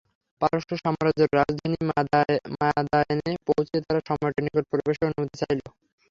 পারস্য সাম্রাজ্যের রাজধানী মাদায়েনে পৌঁছে তারা সম্রাটের নিকট প্রবেশের অনুমতি চাইল।